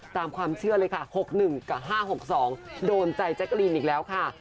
ตามความเชื่อเลยค่ะ๖๑กับ๕๖๒โดนใจแจ๊กกะลีนอีกแล้วค่ะ